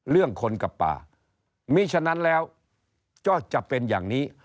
เรื่องคนกับป่ามีฉะนั้นแล้วก็จะเป็นอย่างนี้